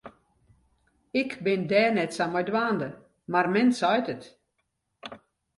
Ik bin dêr net sa mei dwaande, mar men seit it.